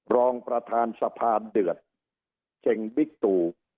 รองประธานสภาเดือดเจงบิ๊กตู